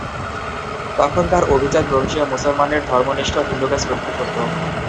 তখনকার অভিজাত বংশীয় মুসলমানের ধর্মনিষ্ঠ হিন্দুকে শ্রদ্ধা করত।